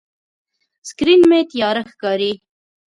سکرین مې تیاره ښکاري.